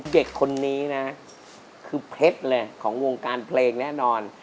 เด็กคนนี้นะคือเพชรเลยของวงการเพลงแน่นอน